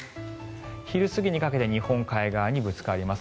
昼過ぎにかけて日本海側にぶつかります。